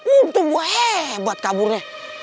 untung gue hebat kaburnya